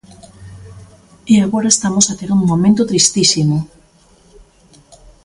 E agora estamos a ter un momento tristísimo.